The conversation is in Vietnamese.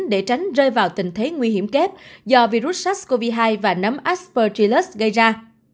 để tránh rơi vào tình thế nguy hiểm kép do virus sars cov hai và nấm aspergillus gây ra